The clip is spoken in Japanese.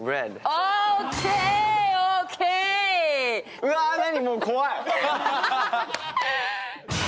うわ、なに、もう怖い！